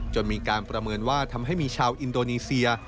จนมีการประเมินว่าทำให้มีชาวอินโดนีเซีย